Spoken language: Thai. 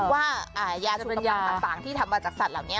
ว่ายาชนยางต่างที่ทำมาจากสัตว์เหล่านี้